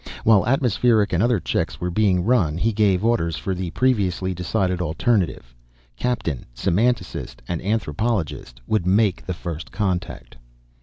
While atmospheric and other checks were being run, he gave orders for the previously decided alternative. Captain, semanticist and anthropologist would make the First Contact.